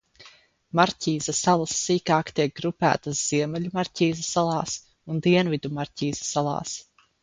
Marķīza salas sīkāk tiek grupētas Ziemeļu Marķīza salās un Dienvidu Marķīza salās.